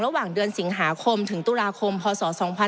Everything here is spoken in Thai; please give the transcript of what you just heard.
ระหว่างเดือนสิงหาคมถึงตุลาคมพศ๒๕๖๒